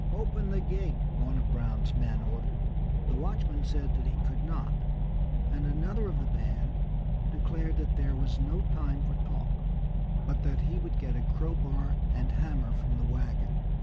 "Open the gate," one of Brown's men ordered. The watchman said that he could not, and another of the band declared that there was no time for talk, but that he would get a crowbar and hammer from the wagon.